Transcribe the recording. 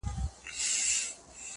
که یې لمبو دي ځالګۍ سوځلي٫